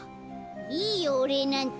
いいよおれいなんて。